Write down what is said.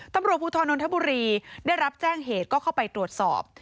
ตำรวจภูทรนนทบุรีได้รับแจ้งเหตุก็เข้าไปตรวจสอบ